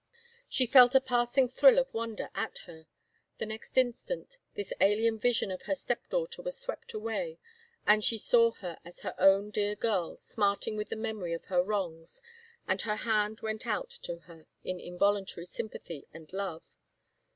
She felt a passing thrill of wonder at her ... the next instant this alien vision of her stepdaughter was swept away, and she saw her as her own dear girl smart ing with the memory of her wrongs and her hand went out to her in involuntary sympathy and love.